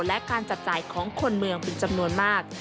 และการจับจ่ายของคนเมืองเป็นจำนวนมาก